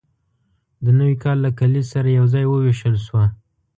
د نوي کال له کلیز سره یوځای وویشل شوه.